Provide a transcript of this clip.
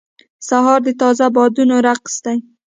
سهار د تازه بادونو رقص دی.